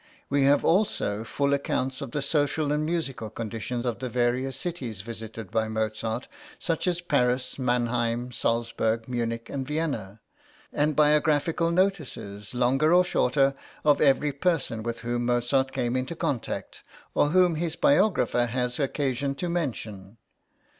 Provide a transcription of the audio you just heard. We have also full accounts of the social and musical condition of the various cities visited by Mozart, such as Paris, Mannheim, Salzburg, Munich, and Vienna; and biographical notices, longer or shorter, of every person with whom Mozart came into contact, or whom his biographer has occasion to mention.